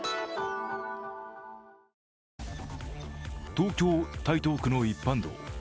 東京・台東区の一般道。